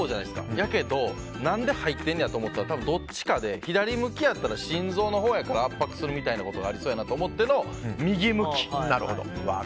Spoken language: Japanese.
そうやけど何で入ってるんやと思ったらどっちかで左向きやったら心臓のほうを圧迫するみたいなことがありそうやなと思っての右向き。